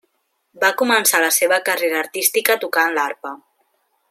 Va començar la seva carrera artística tocant l'arpa.